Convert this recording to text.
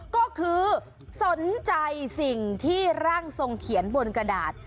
ก็คือสนใจสิ่งที่ร่างทรงเขียนบนกระดาษ